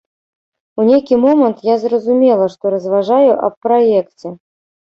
У нейкі момант я зразумела, што разважаю аб праекце.